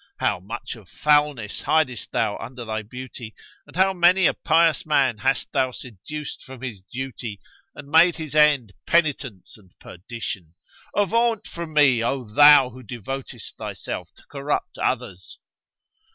How much of foulness hidest thou under thy beauty, and how many a pious man hast thou seduced from his duty and made his end penitence and perdition? Avaunt from me, O thou who devotest thyself to corrupt others!"